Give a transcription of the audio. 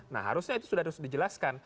nah harusnya itu sudah harus dijelaskan